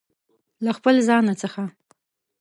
له خپل ځانه څخه